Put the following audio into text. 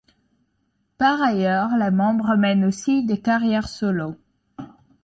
Par ailleurs, les membres mènent aussi des carrières solos.